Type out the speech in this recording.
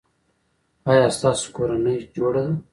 ایا ستاسو کورنۍ جوړه ده؟